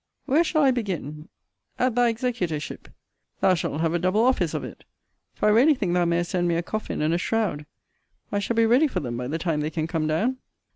Where shall I begin? at thy executorship thou shalt have a double office of it: for I really think thou mayest send me a coffin and a shroud. I shall be ready for them by the time they can come down.